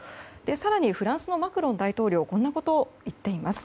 更にフランスのマクロン大統領はこんなことを言っています。